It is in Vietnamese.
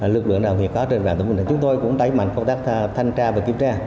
lực lượng lao động có trên bản thân mình là chúng tôi cũng đáy mạnh công tác thanh tra và kiểm tra